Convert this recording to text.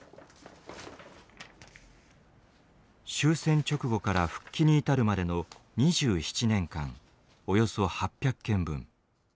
終戦直後から復帰に至るまでの２７年間およそ８００件分。